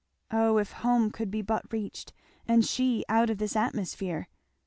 Oh if home could be but reached, and she out of this atmosphere!